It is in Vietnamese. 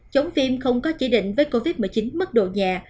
chống phim không có chỉ định với covid một mươi chín mất độ nhà